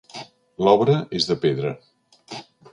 L'obra és de pedra.